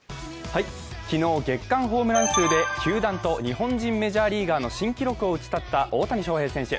昨日、月間最多ホームラン数で球団と日本人メジャーリーガーの新記録を打ち立てた大谷翔平選手。